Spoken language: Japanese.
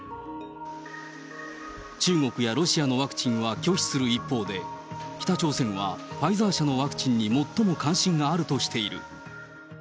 中国やロシアのワクチンは拒否する一方で、北朝鮮はファイザー社のワクチンに最も関心があるとしている。